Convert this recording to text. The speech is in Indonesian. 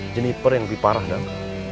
jeniper yang lebih parah darah